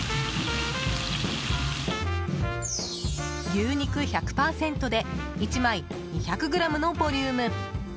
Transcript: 牛肉１００％で１枚２００ｇのボリューム。